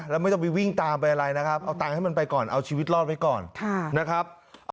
แล้วไม่ต้องไปวิ่งตามไปอะไรนะครับเอาตังค์ให้มันไปก่อนเอาชีวิตรอดไว้ก่อนนะครับ